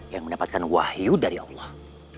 yang mendapatkan wahyu dari allah